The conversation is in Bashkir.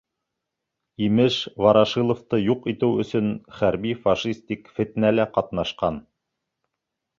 Имеш, Ворошиловты юҡ итеү өсөн хәрби-фашистик фетнәлә ҡатнашҡан.